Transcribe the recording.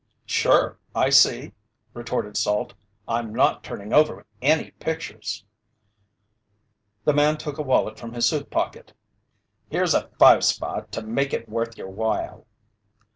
"Sure, I see," retorted Salt. "I'm not turning over any pictures." The man took a wallet from his suit pocket. "Here's a five spot to make it worth your while."